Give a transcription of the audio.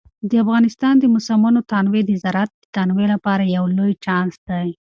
د افغانستان د موسمونو تنوع د زراعت د تنوع لپاره یو لوی چانس دی.